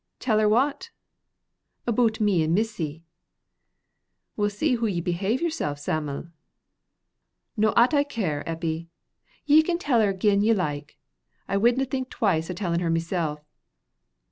"Tell her what?" "Aboot me an' Mysy." "We'll see hoo ye behave yersel, Sam'l." "No 'at I care, Eppie; ye can tell her gin ye like. I widna think twice o' tellin' her mysel."